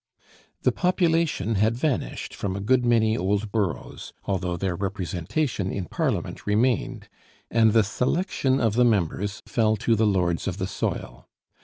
The population had vanished from a good many old boroughs, although their representation in Parliament remained, and the selection of the members fell to the lords of the soil.